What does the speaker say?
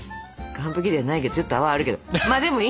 完璧ではないけどちょっと泡あるけどまあでもいいんじゃない。